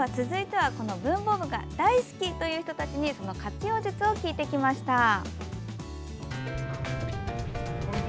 続いては、文房具が大好きという人たちにその活用術を聞いてきました。